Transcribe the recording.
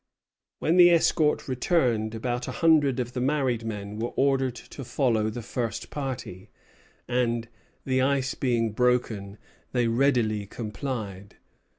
When the escort returned, about a hundred of the married men were ordered to follow the first party; and, "the ice being broken," they readily complied.